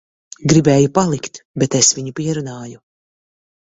Gribēja palikt, bet es viņu pierunāju.